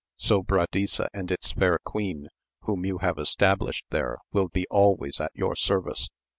Sobradisa and its fair queen, whom you have established there, will be always at your service.